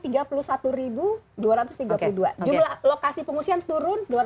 jumlah lokasi pengungsian turun dua ratus sembilan puluh sembilan